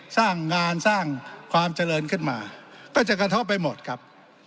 สร้างงานสร้างความเจริญขึ้นมาก็จะกระทบไปหมดครับ